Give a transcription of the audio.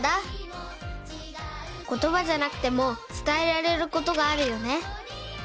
ことばじゃなくてもつたえられることがあるよね。